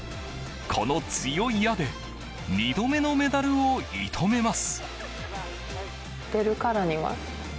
この強い矢で２度目のメダルを射止めます。